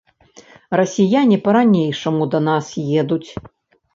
Расіяне па-ранейшаму да нас едуць.